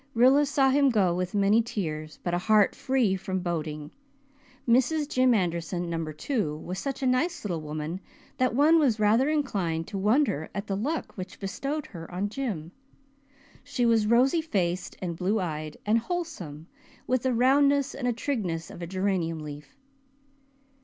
Rilla saw him go with many tears but a heart free from boding. Mrs. Jim Anderson, Number Two, was such a nice little woman that one was rather inclined to wonder at the luck which bestowed her on Jim. She was rosy faced and blue eyed and wholesome, with the roundness and trigness of a geranium leaf.